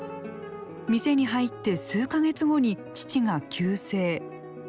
店に入って数か月後に父が急逝。